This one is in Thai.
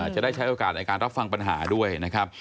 จะได้ใช้โอกาสในการรับฟังปัญหาด้วยนะครับ